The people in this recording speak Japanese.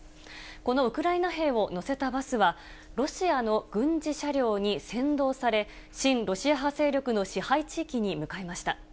このウクライナ兵を乗せたバスは、ロシアの軍事車両に先導され、親ロシア派勢力の支配地域に向かいました。